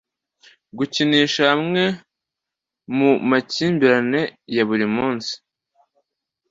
gukinisha hamwe mu makimbirane ya buri munsi,